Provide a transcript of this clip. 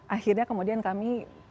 akhirnya kemudian kami